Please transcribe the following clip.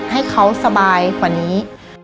ให้เขาสบายกว่านี้